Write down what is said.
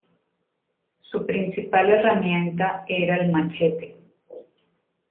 Su principal herramienta era el machete.